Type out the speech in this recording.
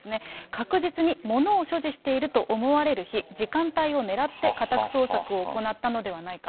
確実にものを所持していると思われる日、時間帯を狙って家宅捜索を行ったのではないか。